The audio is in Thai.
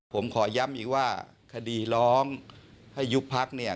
ผมขอย้ำอีกว่าคดีร้องให้ยุบพักเนี่ย